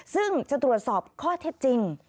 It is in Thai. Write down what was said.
ซึ่งจะตรวจสอบข้อเท็จจริง